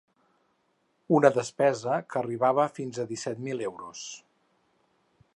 Una despesa que arribava fins a disset mil euros.